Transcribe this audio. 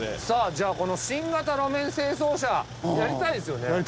さあじゃあこの新型路面清掃車やりたいですよね？